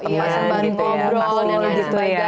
bersama teman sebaru ngobrol